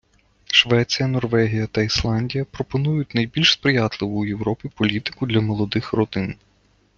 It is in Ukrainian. Швеція, Норвегія та Ісландія пропонують найбільш сприятливу у Європі політику для молодих родин.